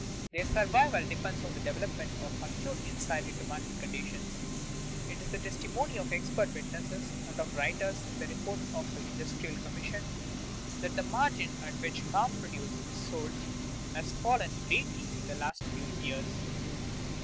Their survival depends on the development of acute insight into market conditions. It is the testimony of expert witnesses and of writers in the report of the Industrial Commission that the margin at which farm produce is sold has fallen greatly in the last few years.